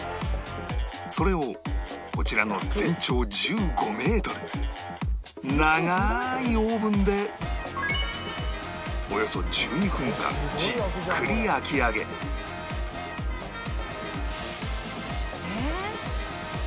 それをこちらの全長１５メートル長いオーブンでおよそ１２分間じっくり焼き上げええ？